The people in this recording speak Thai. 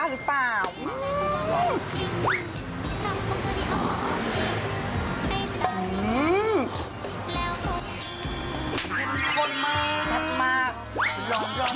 มาแล้ว